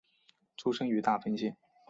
出身于大分县。